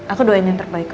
aku doain yang terbaik